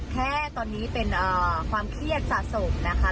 แค่ตอนนี้เป็นความเครียดสะสมนะคะ